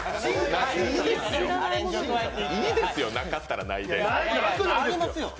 いいですよ、なかったらないで。